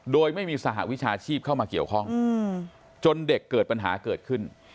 โดยไม่มีสหวิชาชีพเข้ามาเกี่ยวข้องจนเด็กเกิดปัญหาเกิดขึ้น